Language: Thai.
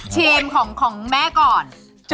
ทีมของแม่ก่อน